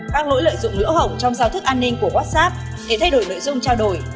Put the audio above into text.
các lỗi lợi dụng lỗ hổng trong giao thức an ninh của whatsapp để thay đổi nội dung trao đổi